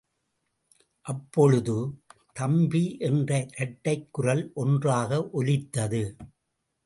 அப்பொழுது... தம்பி என்ற இரட்டைக் குரல் ஒன்றாக ஒலித்தது.